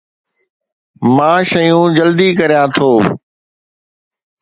مان شيون جلدي ڪريان ٿو